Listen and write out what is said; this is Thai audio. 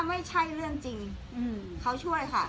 ไม่ใช่เรื่องจริงเขาช่วยค่ะ